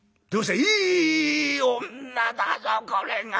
「いい女だぞこれが」。